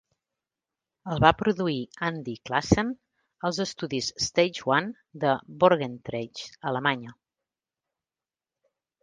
El va produir Andy Classen als estudis Stage One de Borgentreich, Alemanya.